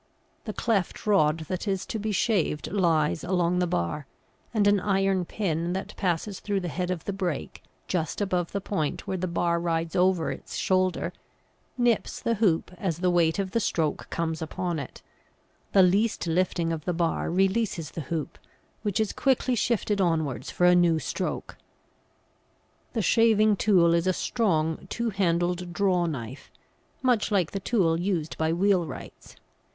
The cleft rod that is to be shaved lies along the bar, and an iron pin that passes through the head of the brake just above the point where the bar rides over its shoulder, nips the hoop as the weight of the stroke comes upon it; the least lifting of the bar releases the hoop, which is quickly shifted onwards for a new stroke. The shaving tool is a strong two handled draw knife, much like the tool used by wheelwrights.